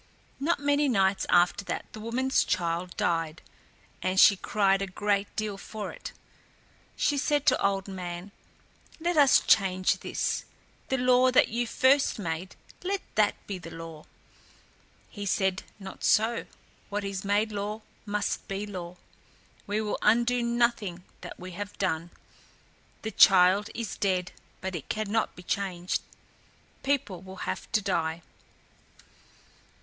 Not many nights after that the woman's child died, and she cried a great deal for it. She said to Old Man, "Let us change this. The law that you first made, let that be the law." He said, "Not so; what is made law must be law. We will undo nothing that we have done. The child is dead, but it cannot be changed. People will have to die."